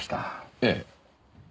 ええ。